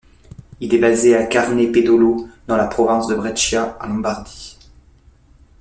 Il est basé à Carpenedolo dans la province de Brescia, en Lombardie.